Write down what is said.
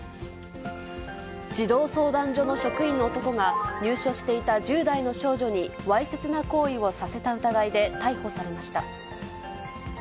児童相談所の職員の男が、入所していた１０代の少女にわいせつな行為をさせた疑いで逮捕されました。